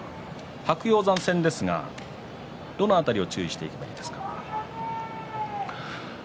白鷹山戦ですがどの辺りを注意していけばいいですか？